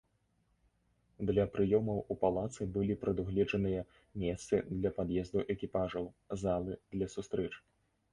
Для прыёмаў у палацы былі прадугледжаныя месцы для пад'езду экіпажаў, залы для сустрэч.